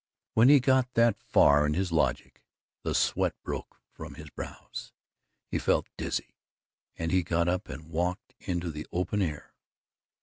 When he got that far in his logic, the sweat broke from his brows; he felt dizzy and he got up and walked into the open air.